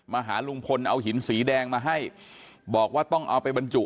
หาลุงพลเอาหินสีแดงมาให้บอกว่าต้องเอาไปบรรจุ